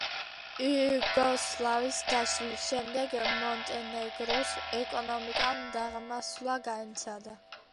იუგოსლავიის დაშლის შემდეგ მონტენეგროს ეკონომიკამ დაღმასვლა განიცადა.